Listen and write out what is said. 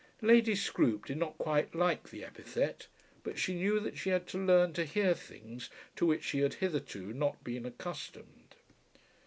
Lady Scroope did not quite like the epithet, but she knew that she had to learn to hear things to which she had hitherto not been accustomed.